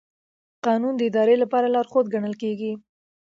قانون د ادارې لپاره لارښود ګڼل کېږي.